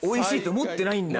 思ってないんだ。